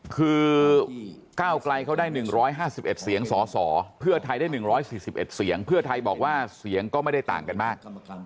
คือก้าวไกลเขาได้๑๕๑เสียงสสเพื่อไทยได้๑๔๑เสียงเพื่อไทยบอกว่าเสียงก็ไม่ได้ต่างกันมาก